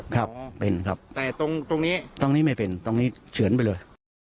ครับเป็นครับแต่ตรงนี้ตรงนี้ไม่เป็นตรงนี้เฉือนไปเลย